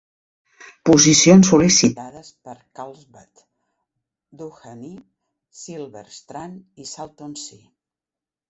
Posicions sol·licitades per Carlsbad, Doheny, Silver Strand i Salton Sea.